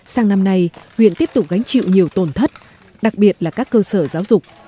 sang năm nay huyện tiếp tục gánh chịu nhiều tổn thất đặc biệt là các cơ sở giáo dục